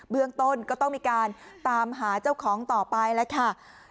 เบื้องต้นก็ต้องมีการตามหาเจ้าของต่อไปแล้วค่ะ